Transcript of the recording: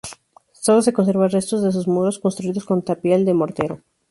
Sólo se conservan restos de sus muros, construidos con tapial de mortero.